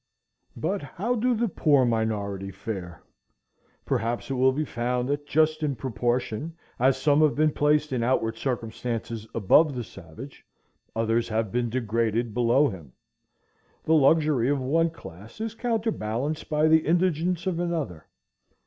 _ But how do the poor minority fare? Perhaps it will be found, that just in proportion as some have been placed in outward circumstances above the savage, others have been degraded below him. The luxury of one class is counterbalanced by the indigence of another.